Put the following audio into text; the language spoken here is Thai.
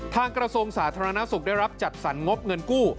กระทรวงสาธารณสุขได้รับจัดสรรงบเงินกู้